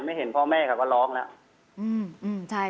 ไม่เห็นพ่อแม่ครับว่าล้องแล้ว